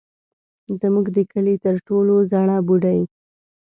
زموږ د کلي تر ټولو زړه بوډۍ.